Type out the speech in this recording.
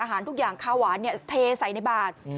ทุกอย่างข้าวหวานเทใส่ในบาท